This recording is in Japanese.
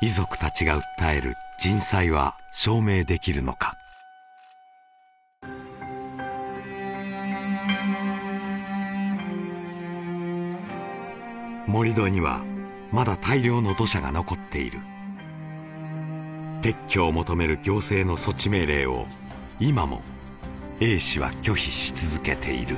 遺族たちが訴える「人災」は証明できるのか盛り土にはまだ大量の土砂が残っている撤去を求める行政の措置命令を今もＡ氏は拒否し続けている